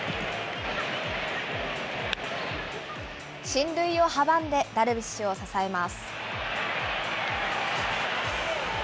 進塁を阻んで、ダルビッシュを支えます。